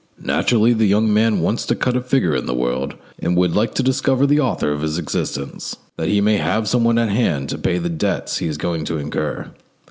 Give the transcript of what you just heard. Naturally the young man wants to cut a figure in the world, and would like to discover the author of his existence, that he may have someone at hand to pay the debts he is going to incur.